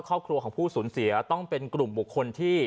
ครอบครัวของผู้สูญเสียต้องเป็นกลุ่มบุคคลที่